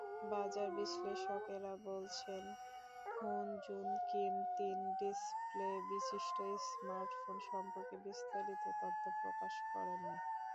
বাজার-বিশ্লেষকেরা বলছেন, Hun-jun Kim তিন ডিসপ্লেবিশিষ্ট smartphone সম্পর্কে বিস্তারিত তথ্য প্রকাশ করেননি।